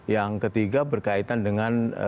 yang ketiga berhubungan dengan perusahaan